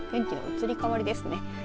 天気の移り変わりですね。